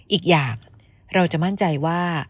อีกอย่างเราจะมั่นใจว่า